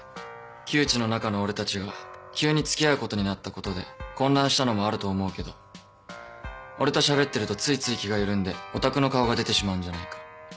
旧知の仲の俺たちが急に付き合うことになったことで混乱したのもあると思うけど俺としゃべってるとついつい気が緩んでヲタクの顔が出てしまうんじゃないか。